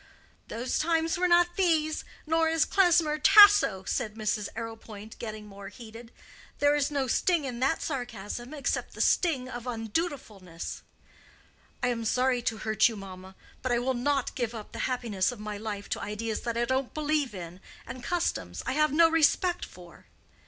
"Those times were not these, nor is Klesmer Tasso," said Mrs. Arrowpoint, getting more heated. "There is no sting in that sarcasm, except the sting of undutifulness." "I am sorry to hurt you, mamma. But I will not give up the happiness of my life to ideas that I don't believe in and customs I have no respect for."